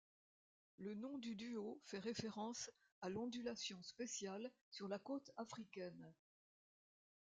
Le nom du duo fait référence à l'ondulation spéciale sur la côte africaine.